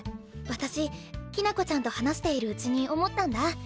私きな子ちゃんと話しているうちに思ったんだ。